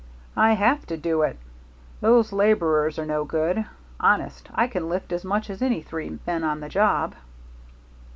"I have to do it. Those laborers are no good. Honest, I can lift as much as any three men on the job."